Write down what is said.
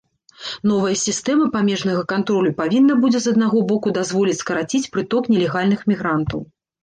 Новая сістэма памежнага кантролю павінна будзе з аднаго боку дазволіць скараціць прыток нелегальных мігрантаў.